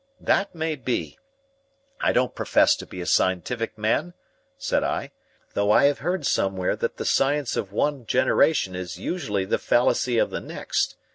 "That may be. I don't profess to be a scientific man," said I, "though I have heard somewhere that the science of one generation is usually the fallacy of the next.